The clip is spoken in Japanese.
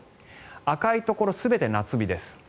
赤いところ全て夏日です。